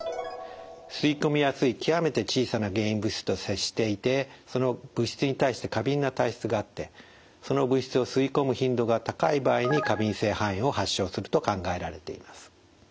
吸い込みやすい極めて小さな原因物質と接していてその物質に対して過敏な体質があってその物質を吸い込む頻度が高い場合に過敏性肺炎を発症すると考えられています。